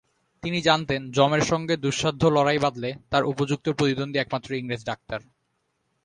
তিনি জানতেন যমের সঙ্গে দুঃসাধ্য লড়াই বাধলে তার উপযুক্ত প্রতিদ্বন্দ্বী একমাত্র ইংরেজ ডাক্তার।